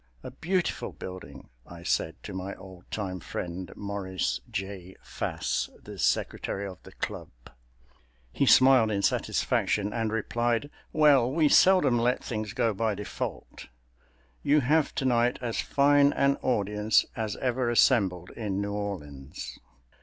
"A beautiful building," I said to my old time friend, Maurice J. Pass, the Secretary of the Club. He smiled in satisfaction and replied, "Well, we seldom let things go by default—you have tonight as fine an audience as ever assembled in New Orleans."